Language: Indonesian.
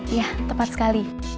iya tepat sekali